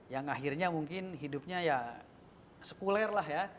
yang akhirnya mungkin hidupnya ya sekuler lah ya